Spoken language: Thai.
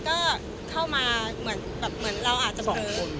คนร้ายเข้ามาเหมือนเราอาจจะเผลอ